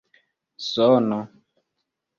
sono